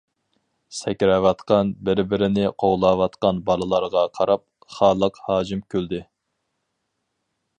سەكرەۋاتقان، بىر-بىرىنى قوغلاۋاتقان بالىلارغا قاراپ خالىق ھاجىم كۈلدى.